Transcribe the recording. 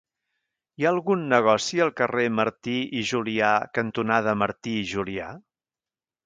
Hi ha algun negoci al carrer Martí i Julià cantonada Martí i Julià?